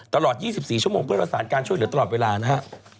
ตลอด๒๔ชั่วโมงเพื่อประสานการช่วยเหลือตลอดเวลานะฮะ